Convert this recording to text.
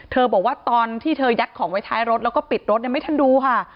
บอกว่าตอนที่เธอยัดของไว้ท้ายรถแล้วก็ปิดรถไม่ทันดูค่ะ